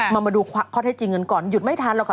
มาดูข้อเท็จจริงกันก่อนหยุดไม่ทันหรอกค่ะ